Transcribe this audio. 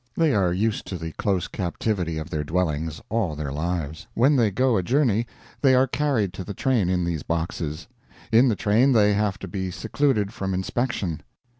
They are used to the close captivity of their dwellings all their lives; when they go a journey they are carried to the train in these boxes; in the train they have to be secluded from inspection.